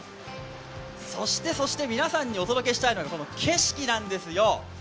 そしてそして皆さんにお届けしたいのが、この景色なんですよ。